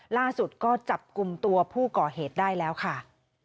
ล่าสุดก็จับกลุ่มตัวผู้ก่อเหตุได้แล้วค่ะ